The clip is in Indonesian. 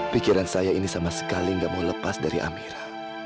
pikiran saya ini sama sekali gak mau lepas dari amira